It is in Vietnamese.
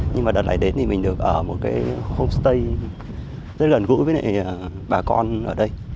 nhưng mà đợt lại đến thì mình được ở một cái homestay rất gần gũi với bà con ở đây